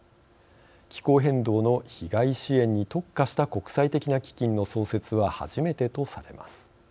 気候変動の被害支援に特化した国際的な基金の創設は初めてとされます。